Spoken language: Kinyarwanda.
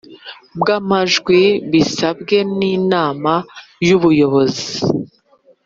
Bw amajwi bisabwe n inama y ubuyobozi